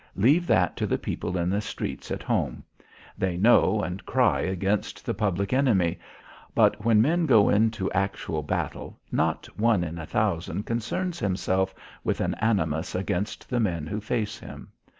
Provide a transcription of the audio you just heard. Leave that to the people in the streets at home. They know and cry against the public enemy, but when men go into actual battle not one in a thousand concerns himself with an animus against the men who face him.